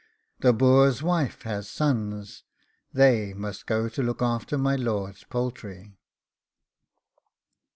The boor's wife has sons, They must go to look after my lord's poultry.